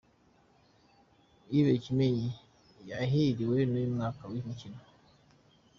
Yves Kimenyi yahiriwe n’uyu mwaka w’imikino